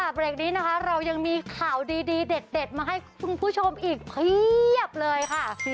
เบรกนี้นะคะเรายังมีข่าวดีเด็ดมาให้คุณผู้ชมอีกเพียบเลยค่ะ